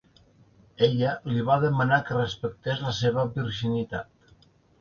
Ella li va demanar que respectés la seva virginitat.